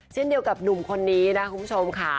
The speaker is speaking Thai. เช่นเดียวกับหนุ่มคนนี้นะคุณผู้ชมค่ะ